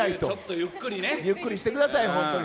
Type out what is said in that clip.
ゆっくりしてください、本当に。